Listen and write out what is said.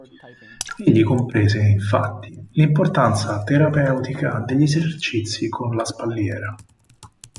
Egli comprese infatti l'importanza terapeutica degli esercizi con la spalliera.